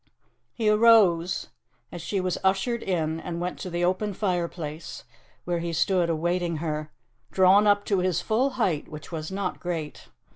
He rose as she was ushered in and went to the open fireplace, where he stood awaiting her, drawn up to his full height, which was not great.